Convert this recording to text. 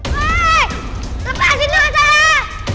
hei lepasin dong azara